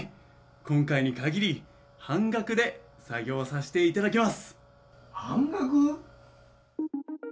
今回に限り、半額で作業させていただきます。